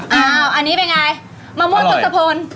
อันนี้เป็นไงแมม้มัวกระทระพร